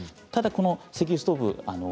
ただ、この石油ストーブ